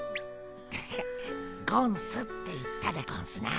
ハハゴンスって言ったでゴンスな。